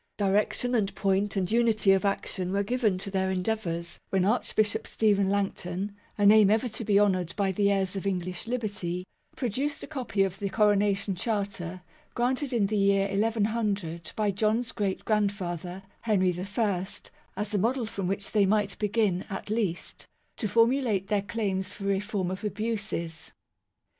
Direction and point and unity of action were given to their endeavours when Archbishop Stephen Langton, a name ever to be honoured by the heirs of English liberty, produced a copy of the Coronation Charter, granted in the year noo by John's great grandfather, Henry I, as a model from which they might begin, at least, to formulate their claims for reform of abuses.